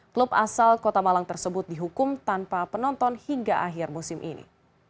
klub asal kota malang tersebut dihukum tanpa penonton hingga akhir musim ini